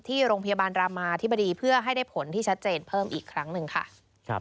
ที่โรงพยาบาลรามาธิบดีเพื่อให้ได้ผลที่ชัดเจนเพิ่มอีกครั้งหนึ่งค่ะ